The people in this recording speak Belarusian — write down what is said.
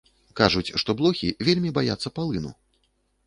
Кажуць, што блохі вельмі баяцца палыну.